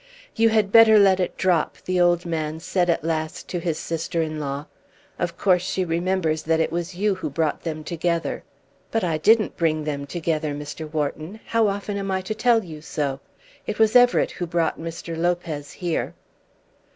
"You had better let it drop," the old man said at last to his sister in law. "Of course she remembers that it was you who brought them together." "But I didn't bring them together, Mr. Wharton. How often am I to tell you so? It was Everett who brought Mr. Lopez here."